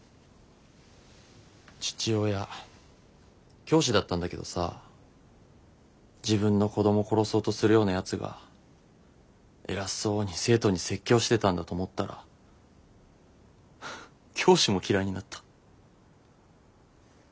父親教師だったんだけどさ自分の子ども殺そうとするようなやつが偉そうに生徒に説教してたんだと思ったらフフ教師も嫌いになった。